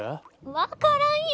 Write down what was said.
分からんよ。